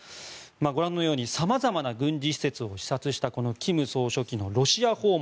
ご覧のように様々な軍事施設を視察した金総書記のロシア訪問